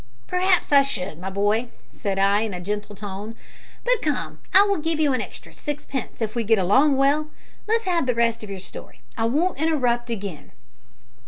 "Perhaps I should, my boy," said I, in a gentle tone. "But come, I will give you an extra sixpence if we get along well. Let's have the rest of your story; I won't interrupt again."